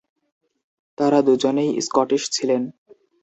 তারা দুজনেই স্কটিশ ছিলেন।